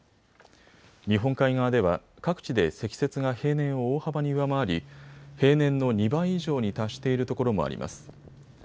日本海側では各地で積雪が平年を大幅に上回り平年の２倍以上に達している所もあります。